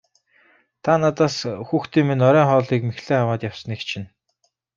Та надаас хүүхдүүдийн минь оройн хоолыг мэхлэн аваад явсныг чинь.